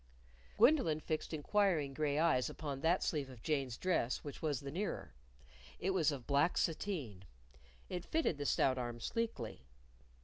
Gwendolyn fixed inquiring gray eyes upon that sleeve of Jane's dress which was the nearer. It was of black sateen. It fitted the stout arm sleekly.